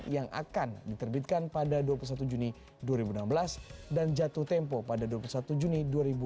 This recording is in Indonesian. yang akan diterbitkan pada dua puluh satu juni dua ribu enam belas dan jatuh tempo pada dua puluh satu juni dua ribu delapan belas